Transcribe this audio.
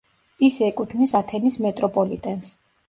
ის ეკუთვნის ათენის მეტროპოლიტენს.